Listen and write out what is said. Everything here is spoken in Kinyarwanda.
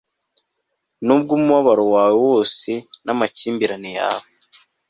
nubwo umubabaro wawe wose n'amakimbirane yawe